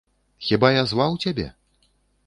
Хіба я зваў цябе?